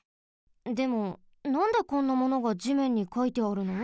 でもなんでこんなものが地面にかいてあるの？